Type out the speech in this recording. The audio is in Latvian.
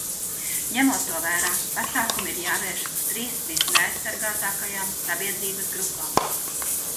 Ņemot to vērā, pasākumi ir jāvērš uz trīs visneaizsargātākajām sabiedrības grupām.